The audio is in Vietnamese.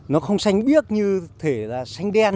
nó không xanh biếc như thế là xanh đen